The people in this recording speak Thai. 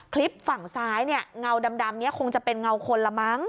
คลิปฝั่งซ้ายเนี่ยเงาดำนี้คงจะเป็นเงาคนละมั้ง